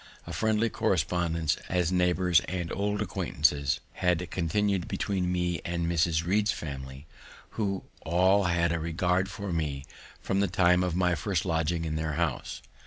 A friendly correspondence as neighbours and old acquaintances had continued between me and Mrs. Read's family, who all had a regard for me from the time of my first lodging in their house.